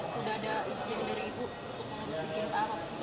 sudah ada yang dari ibu untuk mengasihkan pak pak